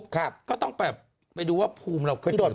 ก็ต้องไปดูว่าภูมิเราขึ้นหรือไม่ขึ้น